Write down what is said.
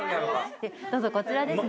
どうぞこちらです。